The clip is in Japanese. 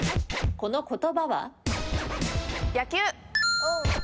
この言葉は？